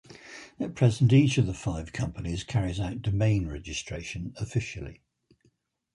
At present each of the five companies carries out domain registration officially.